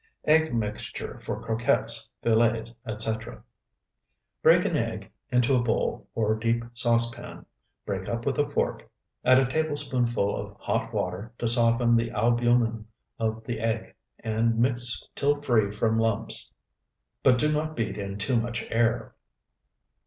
EGG MIXTURE FOR CROQUETTES, FILLETS, ETC. Break an egg into a bowl or deep saucepan, break up with a fork, add a tablespoonful of hot water to soften the albumen of the egg, and mix till free from lumps, but do not beat in too much air.